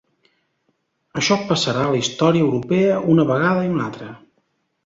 Això passarà a la història europea una vegada i una altra.